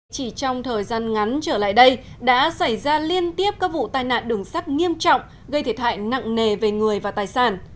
chỉ trong thời gian ngắn trở lại đây đã xảy ra liên tiếp các vụ tai nạn đường sắt nghiêm trọng gây thiệt hại nặng nề về người và tài sản